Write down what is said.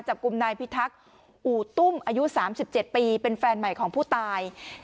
จับกลุ่มนายพิทักษ์อู่ตุ้มอายุ๓๗ปีเป็นแฟนใหม่ของผู้ตาย